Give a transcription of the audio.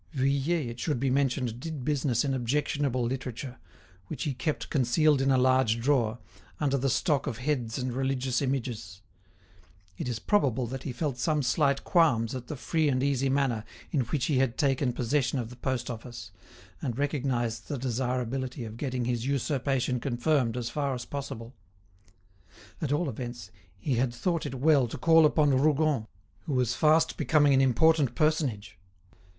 Vuillet, it should be mentioned, did business in objectionable literature, which he kept concealed in a large drawer, under the stock of heads and religious images. It is probable that he felt some slight qualms at the free and easy manner in which he had taken possession of the post office, and recognised the desirability of getting his usurpation confirmed as far as possible. At all events, he had thought it well to call upon Rougon, who was fast becoming an important personage.